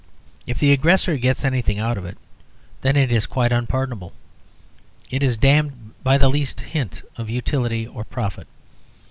If the aggressor gets anything out of it, then it is quite unpardonable. It is damned by the least hint of utility or profit.